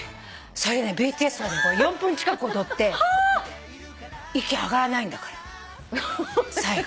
それでねＢＴＳは４分近く踊って息上がらないんだから最後。